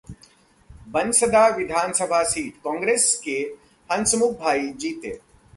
बंसदा विधानसभा सीट: कांग्रेस के हंसमुखभाई जीते